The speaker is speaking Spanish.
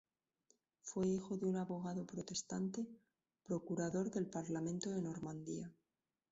Fue hijo de un abogado protestante, procurador del parlamento de Normandía.